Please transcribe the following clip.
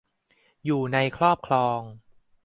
อยู่ในครอบครอง